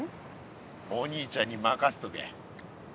お兄ちゃんに任せとけ。